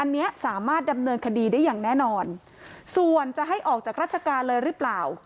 อันนี้สามารถดำเนินคดีได้อย่างแน่นอนส่วนจะให้ออกจากราชการเลยหรือเปล่า